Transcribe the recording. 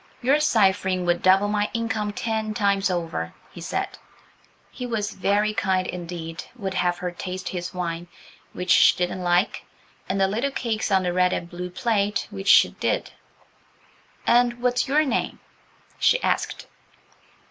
"Your ciphering would double my income ten times over," he said. He was very kind indeed–would have her taste his wine, which she didn't like, and the little cakes on the red and blue plate, which she did. "And what's your name?" she asked.